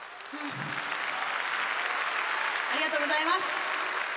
ありがとうございます。